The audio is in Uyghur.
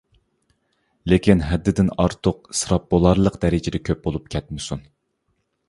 لېكىن ھەددىدىن ئارتۇق، ئىسراپ بولارلىق دەرىجىدە كۆپ بولۇپ كەتمىسۇن.